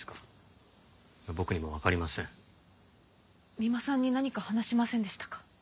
三馬さんに何か話しませんでしたか？